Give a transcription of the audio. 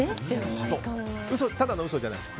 ただの嘘じゃないです。